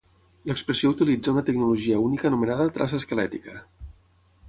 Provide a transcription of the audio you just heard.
L'expressió utilitza una tecnologia única anomenada traça esquelètica.